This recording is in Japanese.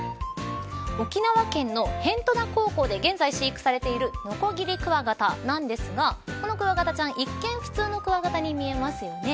沖縄県の辺土名高校で現在飼育されているノコギリクワガタなんですがこのクワガタちゃん一見普通のクワガタに見えますよね。